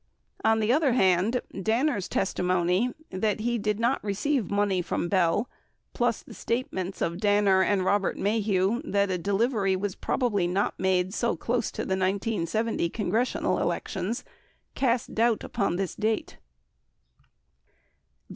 On the other hand, Danner's testimony that he did not receive money from Bell, 46 plus the statements of Danner 47 and Robert Maheu 48 that a delivery was probably not made so close to the 1970 congressional elections, cast doubt upon this date.